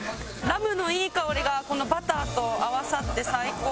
ラムのいい香りがこのバターと合わさって最高。